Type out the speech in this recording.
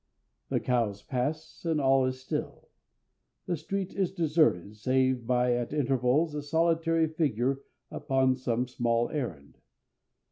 The cows pass and all is still. The street is deserted, save by, at intervals, a solitary figure upon some small errand.